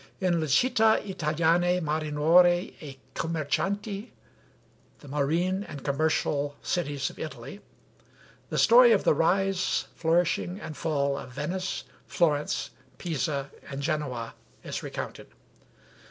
In 'Le Citta Italiane Marinore e Commercianti' (The Marine and Commercial Cities of Italy) the story of the rise, flourishing, and fall of Venice, Florence, Pisa, and Genoa is recounted.